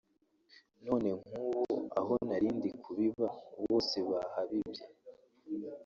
None nk’ubu aho narindi kubiba bose bahabibye